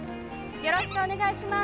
よろしくお願いします！